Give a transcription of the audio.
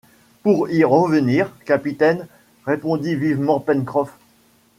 Pour y revenir, capitaine ! répondit vivement Pencroff